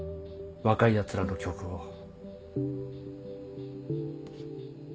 若いやつらの曲を。